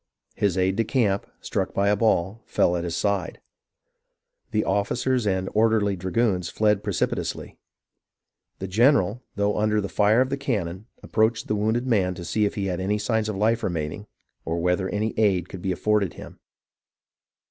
His aide de camp, struck by a ball, fell at his side. The officers and orderly dragoons fled precipitately. The general, though under the fire of the cannon, approached the wounded man to see if he had any signs of life remaining, or whether any aid could be afforded him.